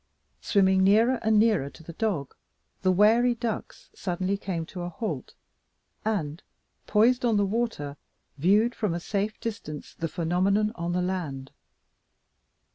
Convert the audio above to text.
Swimming nearer and nearer to the dog, the wary ducks suddenly came to a halt, and, poised on the water, viewed from a safe distance the phenomenon on the land.